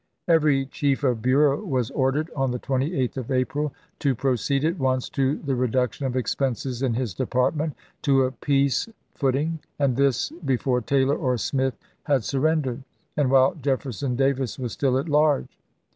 Every chief of bureau was ordered, on lees. the 28th of April, to proceed at once to the reduc tion of expenses in his department to a peace foot ing, and this before Taylor or Smith had surren dered, and while Jefferson Davis was still at large.